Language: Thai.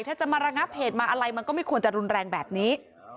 ถ้าจะมาระงับเหตุมาอะไรมันก็ไม่ควรจะรุนแรงแบบนี้